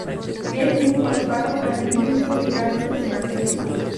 Es un fosfato anhidro de calcio y magnesio.